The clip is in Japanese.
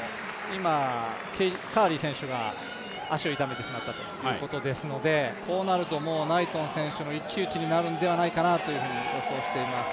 カーリー選手が、足を痛めてしまったということですのでこうなると、ナイトン選手との一騎打ちになるんではないかと予想しています。